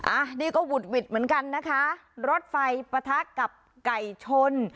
อันนี้ก็หวุดหวิดเหมือนกันนะคะรถไฟปะทะกับไก่ชน